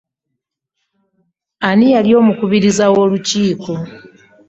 Ani yali omukubiriza wo lukiko?